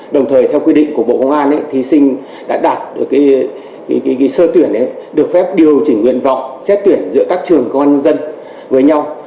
đồng thời theo quy định của bộ công an thí sinh đã đạt được sơ tuyển được phép điều chỉnh nguyện vọng xét tuyển giữa các trường công an nhân dân với nhau